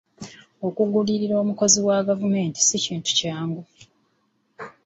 Okugulirira omukozi wa gavumenti si kintu kyangu.